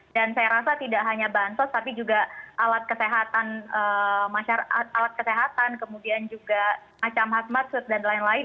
dan saya rasa tidak hanya bansos tapi juga alat kesehatan kemudian juga asean dan lain lain